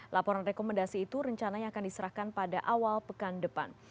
laporan rekomendasi itu rencananya akan diserahkan pada awal pekan depan